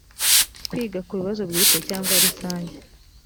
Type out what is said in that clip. kwiga ku bibazo bwite cyangwa rusange